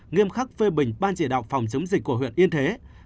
nghiêm khắc phê bình ban chỉ đạo phòng chống dịch của huyện yên thế